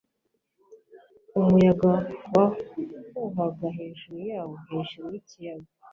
umuyaga wahuhaga hejuru yabo hejuru yikiyaga